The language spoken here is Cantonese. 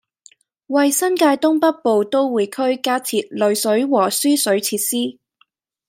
為新界東北部都會區加設濾水和輸水設施